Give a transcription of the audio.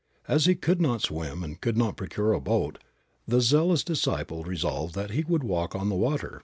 As he could not swim and could not procure a boat, the zealous disciple resolved that he would walk on the water.